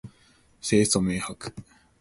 清楚明白